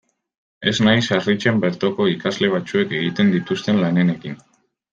Ez naiz harritzen bertoko ikasle batzuek egiten dituzten lanenekin.